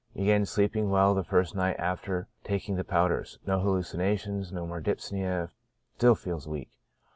Began sleeping well the first night after taking the powders. No hallucinations ; no more dyspnoea ; still feels weak.